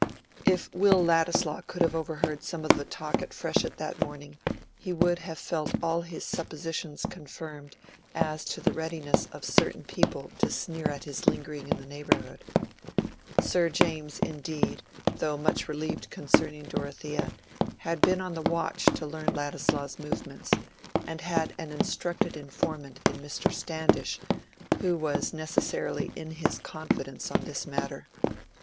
If Will Ladislaw could have overheard some of the talk at Freshitt that morning, he would have felt all his suppositions confirmed as to the readiness of certain people to sneer at his lingering in the neighborhood. Sir James, indeed, though much relieved concerning Dorothea, had been on the watch to learn Ladislaw's movements, and had an instructed informant in Mr. Standish, who was necessarily in his confidence on this matter.